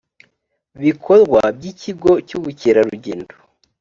bikorwa by ikigo cy ubukerarugendo